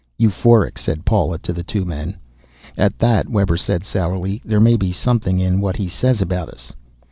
"Euphoric," said Paula, to the two men. "At that," said Webber sourly, "there may be something in what he says about us."